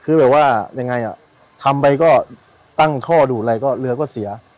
คือแบบว่ายังไงอ่ะทำไปก็ตั้งท่อดูดอะไรก็เรือก็เสีย